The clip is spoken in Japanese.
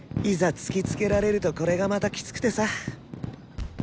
突きつけられるとこれがまたきつくてさ。